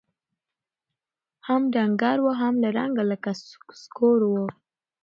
هم ډنګر وو هم له رنګه لکه سکور وو